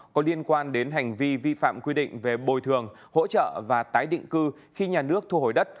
có liên quan đến hành vi vi phạm quy định về bồi thường hỗ trợ và tái định cư khi nhà nước thu hồi đất